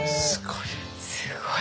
すごい。